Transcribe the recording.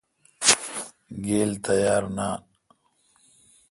گیل تیار نان۔